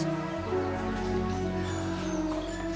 bapak kamu tuh anak buahnya